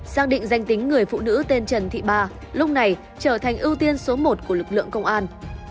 xác định danh tính người phụ nữ tên trần thị ba lúc này trở thành ưu tiên số một của lực lượng công an